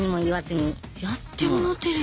やってもうてるやん。